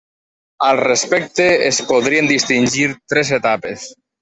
Al respecte, es podrien distingir tres etapes.